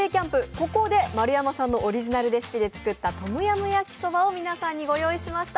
ここで丸山さんのオリジナルレシピで作ったトムヤム焼きそばを皆さんにご用意しました。